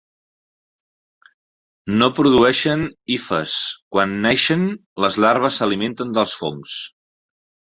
No produeixen hifes. Quan naixen les larves s'alimenten dels fongs.